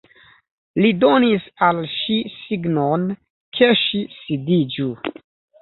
Li donis al ŝi signon, ke ŝi sidiĝu.